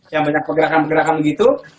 yang banyak bergerakan gerakan begitu